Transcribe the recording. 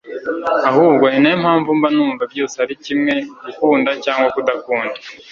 ahubwo ninayo mpamvu mba numva byose ari kimwe gukunda cq kudakunda